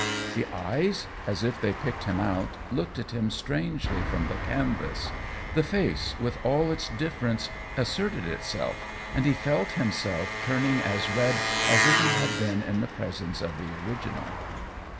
The eyes, as if they picked him out, looked at him strangely from the canvas : the face, with all its dif ference, asserted itself, and he felt himself turning as red as if he had been in the pres ence of the original.